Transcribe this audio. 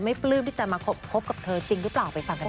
ปลื้มที่จะมาคบกับเธอจริงหรือเปล่าไปฟังกันค่ะ